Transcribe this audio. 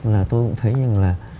là tôi cũng thấy như là